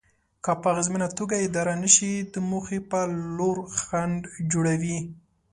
که په اغېزمنه توګه اداره نشي د موخې په لور خنډ جوړوي.